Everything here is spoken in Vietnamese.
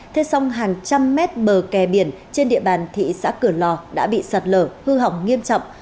thế song hàng trăm mét bờ kè biển trên địa bàn thị xã cửa lò đã bị sạt lở hư hỏng nghiêm trọng